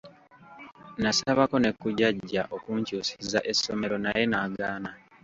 Nasabako ne ku jjajja okunkyusiza essomero naye n'agaana.